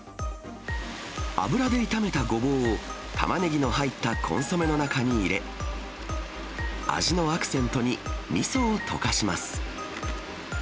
油で炒めたごぼうをたまねぎの入ったコンソメの中に入れ、味のアクセントに、みそを溶かします。